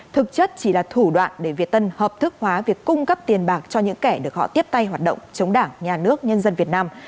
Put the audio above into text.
thực chất chỉ là thủ đoạn để việt tân hợp thức hóa việc cung cấp tiền bạc cho những kẻ được họ tiếp tay hoạt động chống đảng nhà nước nhân dân việt nam